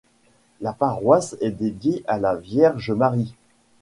La paroisse est dédiée à la Vierge Marie.